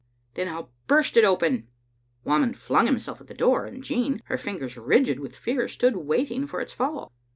"Then I'll burst it open." Whamond flung himself at the door, and Jean, her fingers rigid with fear, stood waiting for its fall.